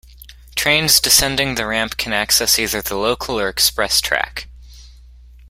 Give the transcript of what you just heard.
Trains descending the ramp can access either the local or express track.